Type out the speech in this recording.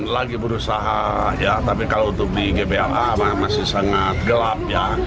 lagi berusaha ya tapi kalau untuk di gbla masih sangat gelap ya